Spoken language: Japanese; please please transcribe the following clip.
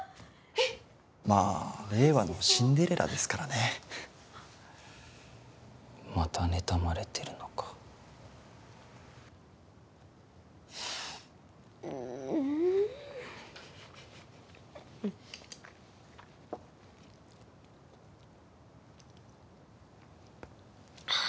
えっまあ令和のシンデレラですからねまたねたまれてるのかううーんっ